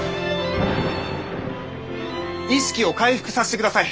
意識を回復さしてください！